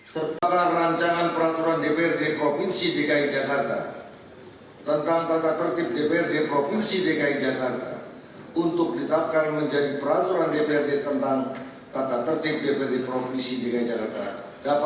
serta rancangan peraturan dprd provinsi dki jakarta tentang tata tertib dprd provinsi dki jakarta untuk ditetapkan menjadi peraturan dprd tentang tata tertib dprd provinsi dki jakarta